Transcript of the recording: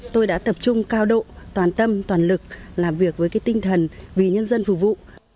tôi đã tập trung cao độ toàn tâm toàn lực làm việc với tinh thần vì nhân dân phục vụ